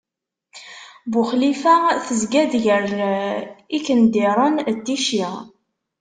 Buxlifa tezga-d gar Ikendiren d Ticci.